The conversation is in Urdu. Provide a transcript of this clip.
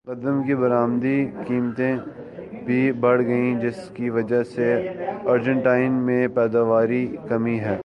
گندم کی برمدی قیمتیں بھی بڑھ گئیں جس کی وجہ سے ارجنٹائن میں پیداواری کمی ہے